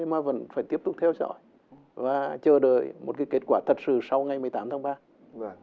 mà vẫn phải tiếp tục theo dõi và chờ đợi một kết quả thật sự sau ngày một mươi tám tháng ba